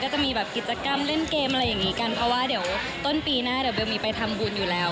จะมีแบบกิจกรรมเล่นเกมอะไรอย่างนี้กันเพราะว่าเดี๋ยวต้นปีหน้าเดี๋ยวเบลมีไปทำบุญอยู่แล้ว